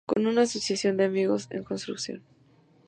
Con una asociación de amigos en construcción.